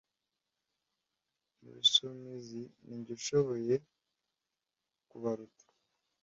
mu bisumizi ninjye ushoboye kubaruta